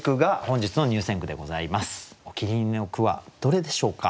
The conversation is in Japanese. お気に入りの句はどれでしょうか？